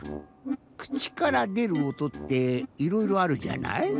くちからでるおとっていろいろあるじゃない？